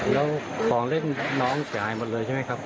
แล้วของเล่นน้องเสียหายหมดเลยใช่ไหมครับ